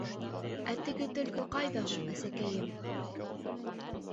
Ә теге Төлкө ҡайҙа һуң, әсәкәйем?